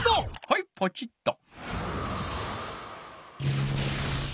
はいポチッと。